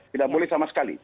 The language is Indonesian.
tidak boleh sama sekali